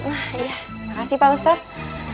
makasih pak ustadz